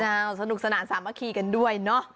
สนุกสนานสามัคคีกันด้วยเนอะ